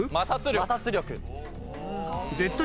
摩擦力。